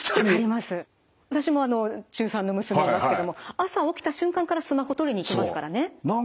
私も中３の娘がいますけども朝起きた瞬間からスマホ取りに行きますからね。